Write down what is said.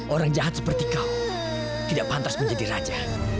orang jahat seperti kau tidak pantas menjadi raja